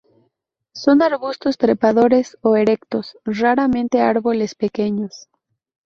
Son arbustos trepadores o erectos, raramente árboles pequeños.